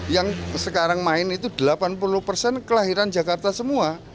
yang sekarang main itu delapan puluh persen kelahiran jakarta semua